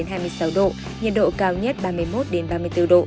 nhiệt độ cao nhất ba mươi một ba mươi bốn độ